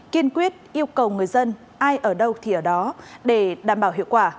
kiên quyết yêu cầu người dân ai ở đâu thì ở đó để đảm bảo hiệu quả